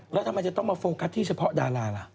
แล้วทำไมจะต้องมาโฟกัสที่เฉพาะดาราล่ะ